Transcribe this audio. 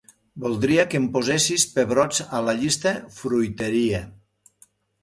Voldria que em posessis pebrots a la llista "fruiteria".